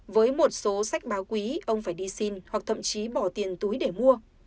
với một số sách báo quý ông phải đi xin hoặc thậm chí bỏ tiền túi để mua